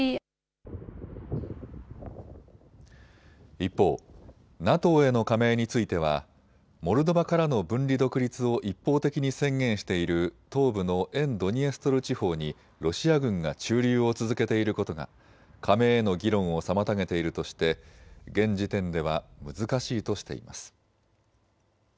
一方、ＮＡＴＯへの加盟についてはモルドバからの分離独立を一方的に宣言している東部の沿ドニエストル地方にロシア軍が駐留を続けていることが加盟への議論を妨げているとして現時点では難しいとしています。